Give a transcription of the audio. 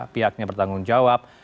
pihaknya bertanggung jawab